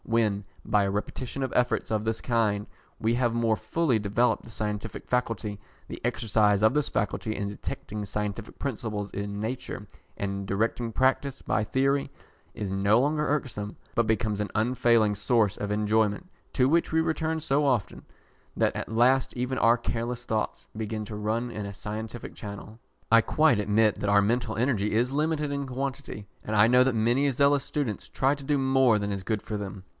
When, by a repetition of efforts of this kind, we have more fully developed the scientific faculty, the exercise of this faculty in detecting scientific principles in nature, and in directing practice by theory, is no longer irksome, but becomes an unfailing source of enjoyment, to which we return so often, that at last even our careless thoughts begin to run in a scientific channel. I quite admit that our mental energy is limited in quantity, and I know that many zealous students try to do more than is good for them.